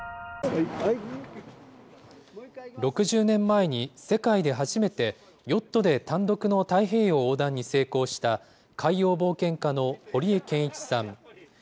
６０年前に世界で初めて、ヨットで単独の太平洋横断に成功した、海洋冒険家の堀江謙一さん。